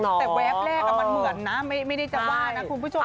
แต่แวบแรกมันเหมือนนะไม่ได้จะว่านะคุณผู้ชม